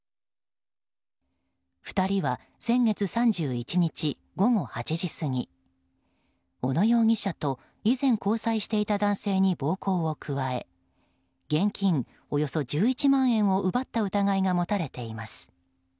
２人は先月３１日午後８時過ぎ小野容疑者と以前交際していた男性に暴行を加え現在およそ１１万円を奪った疑いが持たれています。